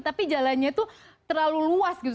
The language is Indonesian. tapi jalannya itu terlalu luas gitu